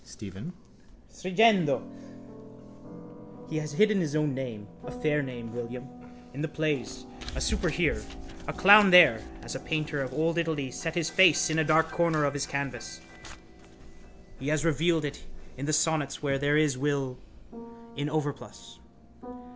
STEPHEN: (Stringendo) He has hidden his own name, a fair name, William, in the plays, a super here, a clown there, as a painter of old Italy set his face in a dark corner of his canvas. He has revealed it in the sonnets where there is Will in overplus.